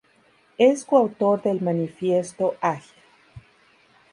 Es coautor del Manifiesto Ágil.